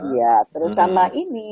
ya terus sama ini